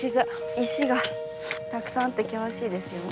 石がたくさんあって険しいですよね。